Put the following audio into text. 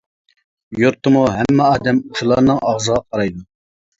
يۇرتتىمۇ ھەممە ئادەم شۇلارنىڭ ئاغزىغا قارايدۇ.